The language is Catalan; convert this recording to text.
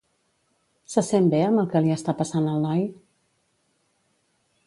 Se sent bé amb el que li està passant al noi?